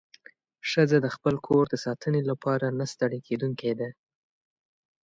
ښځه د خپل کور د ساتنې لپاره نه ستړې کېدونکې ده.